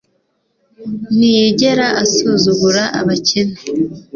ntiyigera asuzugura abakene